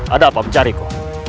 ada apa mencariku